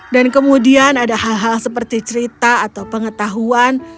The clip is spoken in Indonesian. dan kemudian ada hal hal seperti cerita atau pengetahuan